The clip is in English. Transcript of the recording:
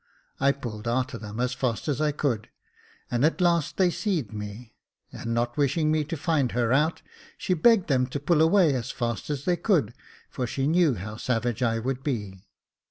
I pulled a'ter them as fast as I could, and at last they seed me ; and not wishing me to find her out, she begged them to pull away as fast as they could, for she knew how savage I would be.